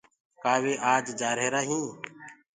ڪآ وي آج جآرهيرآ هينٚ۔